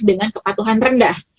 dengan kepatuhan rendah